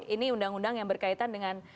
ini undang undang yang berkaitan dengan